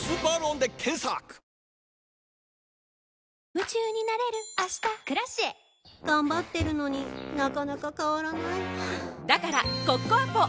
夢中になれる明日「Ｋｒａｃｉｅ」頑張ってるのになかなか変わらないはぁだからコッコアポ！